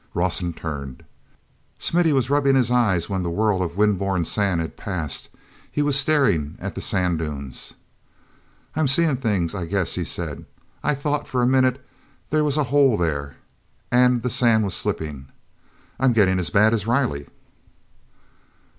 Rawson turned. Smithy was rubbing his eyes when the whirl of wind borne sand had passed; he was staring at the sand dunes. "I'm seeing things, I guess," he said. "I thought for a minute there was a hole there, and the sand was slipping. I'm getting as bad as Riley."